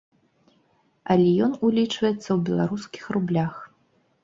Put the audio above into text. Але ён улічваецца ў беларускіх рублях.